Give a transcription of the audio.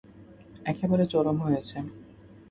একেবারে চরম হয়েছে!